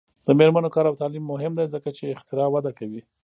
د میرمنو کار او تعلیم مهم دی ځکه چې اختراع وده کوي.